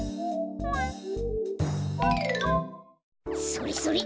それそれ！